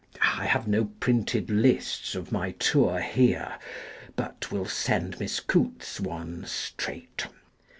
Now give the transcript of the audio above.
I have no printed lists of my tour here, but will send Miss Coutts one straight.